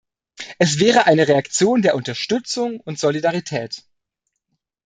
Es wäre eine Reaktion der Unterstützung und Solidarität.